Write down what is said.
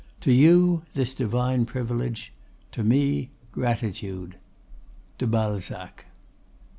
To you, this divine privilege; to me, gratitude. De Balzac.